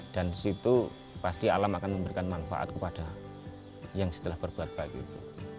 dan disitu pasti alam akan memberikan manfaat kepada yang setelah berbuat baik itu